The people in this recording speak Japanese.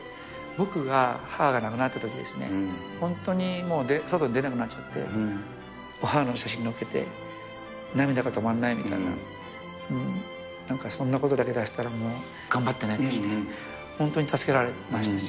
僕が、母が亡くなったとき、本当にもう、外に出れなくなっちゃって、母の写真のっけて、涙が止まらないみたいな、なんかそんなことだけ出したら、頑張ってねって来て、本当に助けられましたし。